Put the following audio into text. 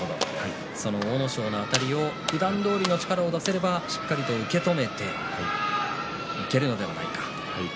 その阿武咲のあたりをふだんどおりの力が出せればしっかりと受け止めていけるのではないか。